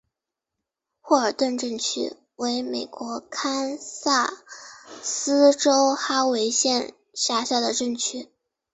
沃尔顿镇区为美国堪萨斯州哈维县辖下的镇区。